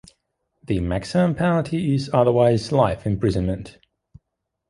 The maximum penalty is otherwise life imprisonment.